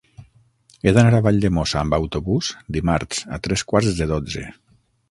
He d'anar a Valldemossa amb autobús dimarts a tres quarts de dotze.